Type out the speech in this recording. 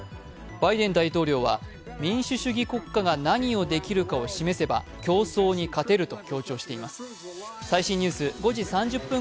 バイデン大統領は、民主主義国家が何をできるかを示せば競争に勝てると強調しています。